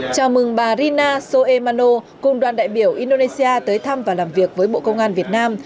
chào mừng bà rina soe mano cùng đoàn đại biểu indonesia tới thăm và làm việc với bộ công an việt nam